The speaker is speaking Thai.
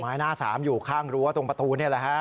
หน้าสามอยู่ข้างรั้วตรงประตูนี่แหละฮะ